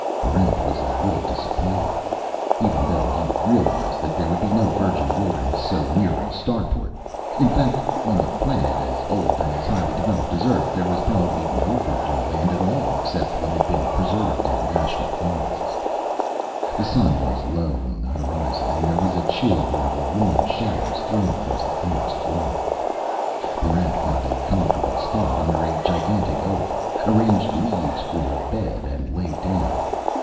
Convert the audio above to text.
Barrent was a little disappointed, even though he realized that there would be no virgin wilderness so near a starport. In fact, on a planet as old and as highly developed as Earth, there was probably no virgin land at all, except what had been preserved in national forests. The sun was low on the horizon, and there was a chill in the long shadows thrown across the forest floor. Barrent found a comfortable spot under a gigantic oak, arranged leaves for a bed, and lay down.